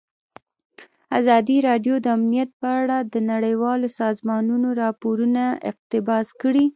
ازادي راډیو د امنیت په اړه د نړیوالو سازمانونو راپورونه اقتباس کړي.